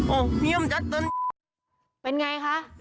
โอ้เพี้ยมจัดเติ้ลเป็นไงคะ